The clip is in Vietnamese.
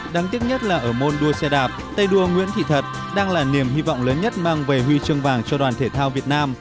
đáng tiếc nhất là ở môn đua xe đạp tay đua nguyễn thị thật đang là niềm hy vọng lớn nhất mang về huy chương vàng cho đoàn thể thao việt nam